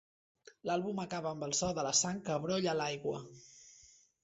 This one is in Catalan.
L'àlbum acaba amb el so de la sang que brolla a l'aigua.